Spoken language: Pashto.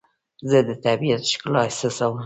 زه د طبیعت ښکلا احساسوم.